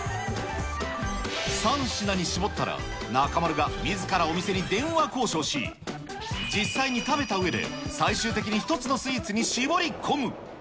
３品に絞ったら、中丸がみずからお店に電話交渉し、実際に食べたうえで、最終的に一つのスイーツに絞り込む。